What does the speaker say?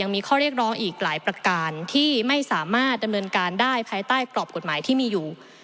มีข้อเรียกร้องอีกหลายประการที่ไม่สามารถดำเนินการได้ภายใต้กรอบกฎหมายที่มีอยู่